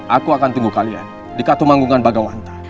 aku akan tunggu kalian di katung manggungan bagawanta